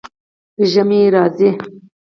ژمی راځي